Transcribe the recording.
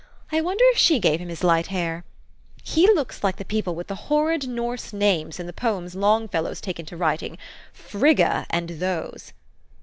I wonder if she gave him his light hair. He looks like the people with the horrid Norse names in the poems Longfellow's taken to writing, Frigga, and those."